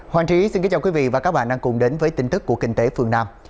hoàng trí xin kính chào quý vị và các bạn đang cùng đến với tin tức của kinh tế phương nam